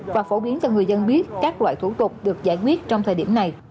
và phổ biến cho người dân biết các loại thủ tục được giải quyết trong thời điểm này